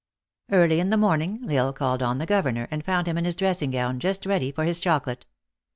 Early in the morning, L Isle called on the governor, and found him in his dressing gown, just ready for his chocolate.